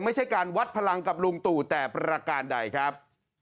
ไม่ใช่การวัดพลังกับลุงตู่แต่ประการใดครับ